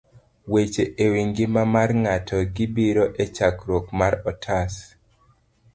Weche e Wi Ngima mar Ng'ato.gibiro e chakruok mar otas